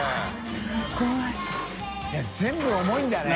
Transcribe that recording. い全部重いんだね。